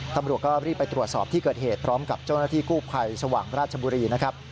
ตำรวจก็รีบไปตรวจสอบที่เกิดเหตุพร้อมกับเจ้าหน้าที่กู้ภัยสว่างราชบุรีนะครับ